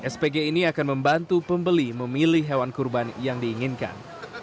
spg ini akan membantu pembeli memilih hewan kurban yang diinginkan